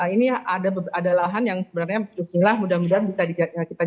ini ada lahan yang sebenarnya mudah mudahan bisa kita